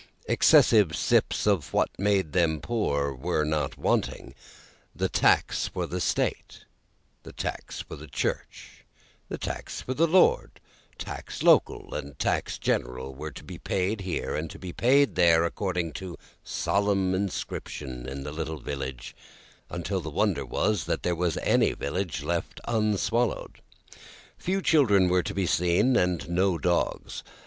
Expressive signs of what made them poor, were not wanting; the tax for the state, the tax for the church, the tax for the lord, tax local and tax general, were to be paid here and to be paid there, according to solemn inscription in the little village, until the wonder was, that there was any village left unswallowed. Few children were to be seen, and no dogs.